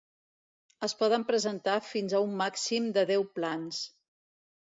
Es poden presentar fins a un màxim de deu plans.